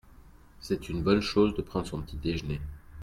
c'est une bonne chose de prendre son petit-déjeuner.